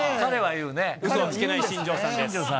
うそはつけない新庄さんです。